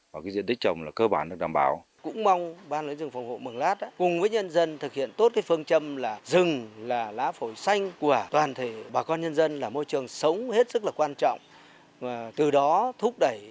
từ đó thúc đẩy góp phần tích